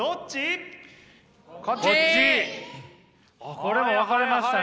これも分かれましたね。